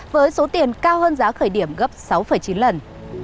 với số tiền cao hơn giá khởi điểm gấp sáu chín lần